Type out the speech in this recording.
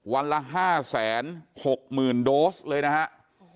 วันละ๕๖๐๐๐โดสเลยนะฮะ